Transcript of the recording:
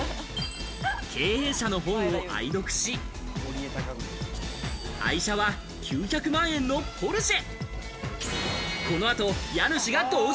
経営者の本を愛読し、愛車は９００万円のポルシェ。